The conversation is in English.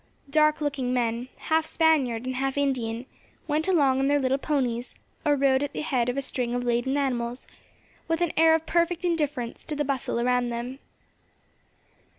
Dark looking men, half Spaniard and half Indian, went along on their little ponies, or rode at the head of a string of laden animals, with an air of perfect indifference to the bustle around them.